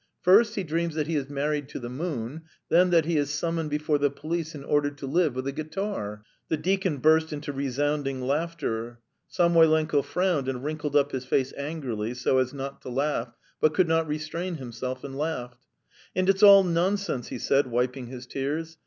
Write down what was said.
First, he dreams that he is married to the moon, then that he is summoned before the police and ordered to live with a guitar ..." The deacon burst into resounding laughter; Samoylenko frowned and wrinkled up his face angrily so as not to laugh, but could not restrain himself, and laughed. "And it's all nonsense!" he said, wiping his tears.